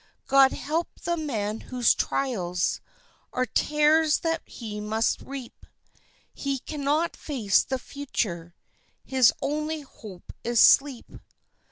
God help the man whose trials Are tares that he must reap; He cannot face the future His only hope is sleep.